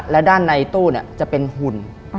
และด้านในตู้จะเป็นหุ่น